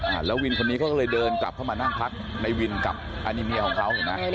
แล้ววินคนนี้เขาก็เลยเดินกลับเข้ามานั่งพักในวินกับอันนี้เมียของเขาเห็นไหม